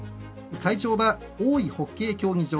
会場は大井ホッケー競技場。